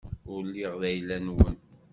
Ur lliɣ d ayla-nwen.